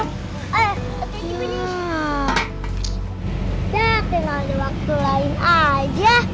gak ada waktu lain aja